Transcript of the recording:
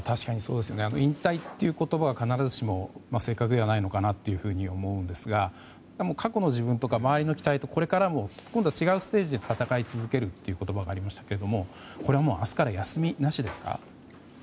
引退という言葉が必ずしも正確ではないのかなと思うんですが過去の自分とか周りの期待とかこれからは違うステージで戦い続けるという言葉がありましたけど明日から休みなしですか？